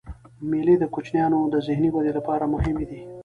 مېلې د کوچنيانو د ذهني ودي له پاره مهمي دي.